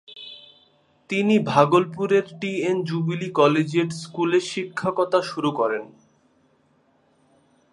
তিনি ভাগলপুরের T. N. Jubilee collegiate স্কুলে শিক্ষকতা শুরু করেন।